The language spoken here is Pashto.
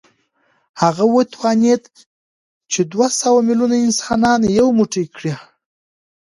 هغه وتوانېد چې دوه سوه ميليونه انسانان يو موټی کړي.